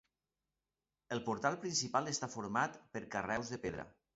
El portal principal està format per carreus de pedra.